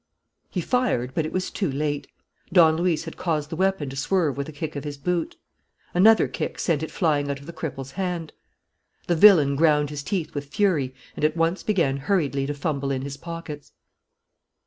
He fired; but it was too late. Don Luis had caused the weapon to swerve with a kick of his boot. Another kick sent it flying out of the cripple's hand. The villain ground his teeth with fury and at once began hurriedly to fumble in his pockets.